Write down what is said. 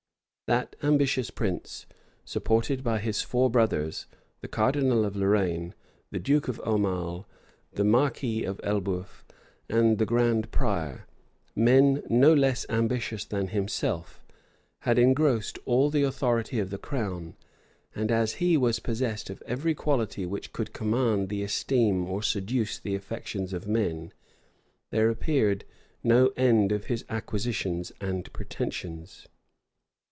That ambitious prince, supported by his four brothers, the cardinal of Lorraine, the duke of Aumale, the marquis of Elbeuf, and the grand prior, men no less ambitious than himself, had engrossed all the authority of the crown; and as he was possessed of every quality which could command the esteem or seduce the affections of men, there appeared no end of his acquisitions and pretensions.